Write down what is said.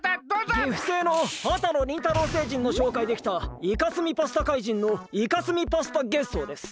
岐阜星の波多野倫太郎星人の紹介できたいかすみパスタ怪人のいかすみパスタゲッソーです。